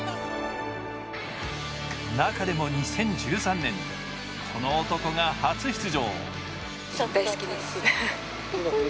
中でも２０１３年、この男が初出場。